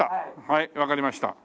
はいわかりました。